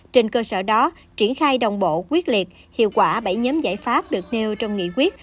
trên cơ sở đó triển khai đồng bộ quyết liệt hiệu quả bảy nhóm giải pháp được nêu trong nghị quyết